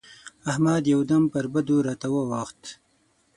احمد يو دم پر بدو راته واووښت.